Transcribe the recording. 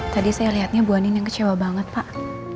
tadi saya lihatnya bu anin yang kecewa banget pak